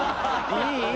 いい！